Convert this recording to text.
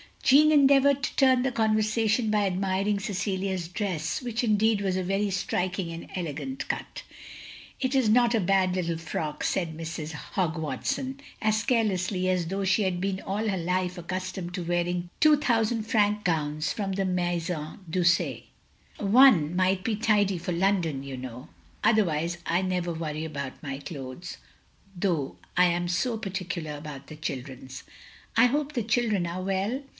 Jeanne endeavoured to turn the conversation by admiring Cecilia's dress, which indeed was of a very striking and elegant cut. "It is not a bad little frock," said Mrs. Hogg Watson, as carelessly as though she had been all her life accustomed to wearing two thousand franc gowns from the Maison Doucet, "one must be tidy for London, you know. Otherwise I never worry about my clothes, though I am so particular about the children's. "" I hope the children are well?"